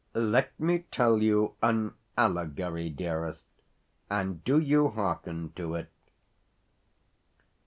Let me tell you an allegory, dearest, and do you hearken to it.